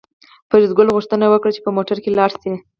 فریدګل غوښتنه وکړه چې په موټر کې لاړ شي